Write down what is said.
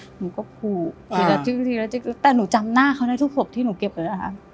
หนูก็ผูกทีละทิกแต่หนูจำหน้าเขาในทุกศพที่หนูเก็บเลยอะฮะ